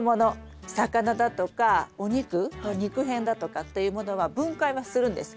魚だとかお肉の肉片だとかっていうものは分解はするんです。